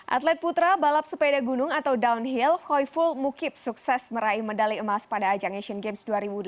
atlet putra balap sepeda gunung atau downhill khoiful mukib sukses meraih medali emas pada ajang asian games dua ribu delapan belas